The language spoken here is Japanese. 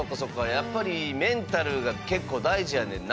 やっぱりメンタルが結構大事やねんな。